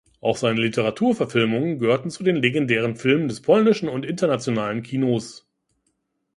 Auch seine Literaturverfilmungen gehörten zu den legendären Filmen des polnischen und internationalen Kinos.